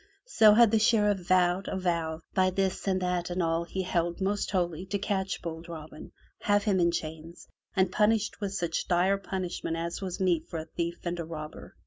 So had the Sheriff vowed a vow by this and that and all he held most holy to catch bold Robin, have him in chains, and punished with such dire punishment as was meet for a thief and a robber.